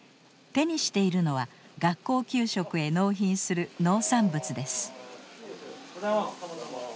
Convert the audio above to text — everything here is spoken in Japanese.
手にしているのは学校給食へ納品する農産物です。